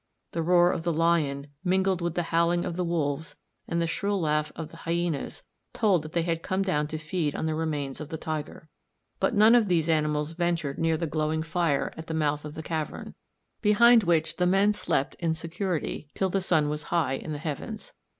The roar of the lion, mingled with the howling of the wolves and the shrill laugh of the hyænas, told that they had come down to feed on the remains of the tiger. But none of these animals ventured near the glowing fire at the mouth of the cavern, behind which the men slept in security till the sun was high in the heavens.